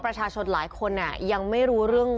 ประชาชนหลายคนยังไม่รู้เรื่อง